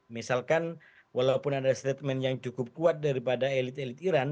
misalkan walaupun ada statement yang cukup kuat daripada elit elit iran